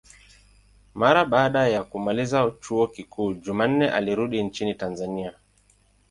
Mara baada ya kumaliza chuo kikuu, Jumanne alirudi nchini Tanzania.